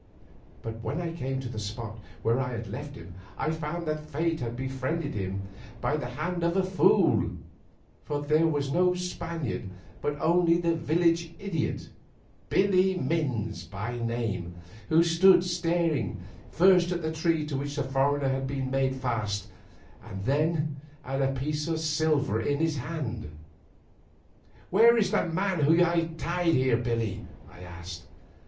But when I came to the spot where I had left him, I found that fate had befriended him by the hand of a fool, for there was no Spaniard but only the village idiot, Billy Minns by name, who stood staring first at the tree to which the foreigner had been made fast, and then at a piece of silver in his hand. "Where is the man who was tied here, Billy?" I asked.